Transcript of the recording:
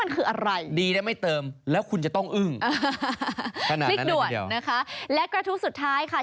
มันคืออะไรดีนะไม่เติมแล้วคุณจะต้องอึ้งพลิกด่วนนะคะและกระทู้สุดท้ายค่ะ